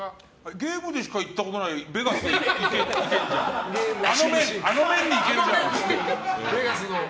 ゲームでしか行ったことないベガス行けるじゃん。